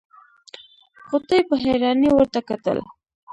غوټۍ په حيرانۍ ورته کتل.